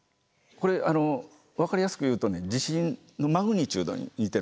これ分かりやすく言うと地震のマグニチュードに似てるんですね。